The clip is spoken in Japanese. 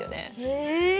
へえ。